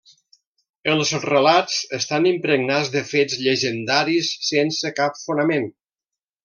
Els relats estan impregnats de fets llegendaris sense cap fonament.